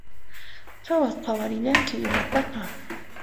Qhawa qhawarillanki uywataqa